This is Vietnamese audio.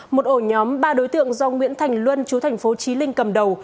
một ổ nhóm ba đối tượng do nguyễn thành luân chú thành phố trí linh cầm đầu